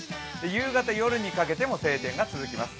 夕方、夜にかけても晴天が続きます